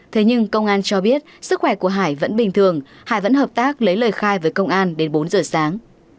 thế nhưng công an cho biết sức khỏe của hải vẫn bình thường hải vẫn hợp tác lấy lời khai với công an đến bốn giờ sáng